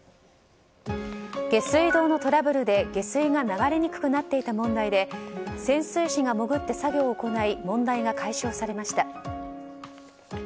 下水道のトラブルで、下水が流れにくくなっていた問題で潜水士が潜って作業を行い問題が解消されました。